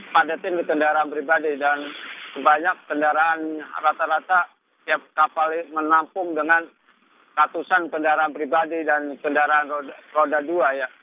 padatin di kendaraan pribadi dan banyak kendaraan rata rata tiap kapal menampung dengan ratusan kendaraan pribadi dan kendaraan roda dua ya